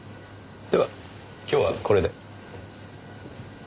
では今日はこれで。